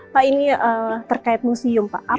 pak ini terkait museum pak